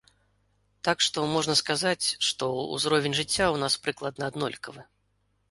Так што можна сказаць, што ўзровень жыцця ў нас прыкладна аднолькавы.